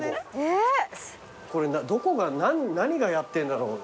これどこが何がやってんだろう